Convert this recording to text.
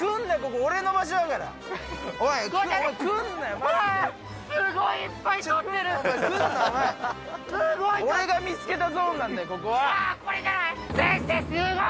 俺が見つけたゾーンなんだよ、ここは。